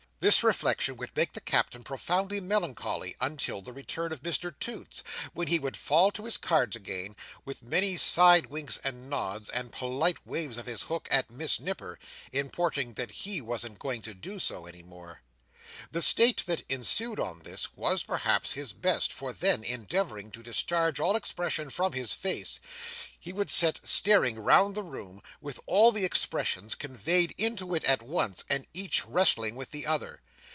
This reflection would make the Captain profoundly melancholy, until the return of Mr Toots; when he would fall to his cards again, with many side winks and nods, and polite waves of his hook at Miss Nipper, importing that he wasn't going to do so any more. The state that ensued on this, was, perhaps, his best; for then, endeavouring to discharge all expression from his face, he would sit staring round the room, with all these expressions conveyed into it at once, and each wrestling with the other.